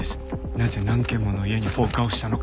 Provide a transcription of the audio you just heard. なぜ何軒もの家に放火をしたのか。